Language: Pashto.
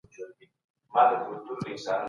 څه شی د مختلفو مذهبونو ترمنځ اړیکي پیاوړي کوي؟